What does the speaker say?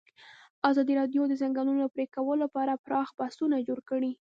ازادي راډیو د د ځنګلونو پرېکول په اړه پراخ بحثونه جوړ کړي.